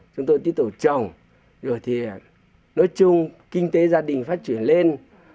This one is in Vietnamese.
chúng tôi tiếp tục trồng rồi thì nói chung kinh tế gia đình phát triển lên